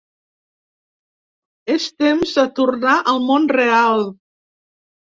És temps de tornar al món real.